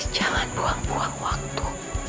jangan buang buang waktu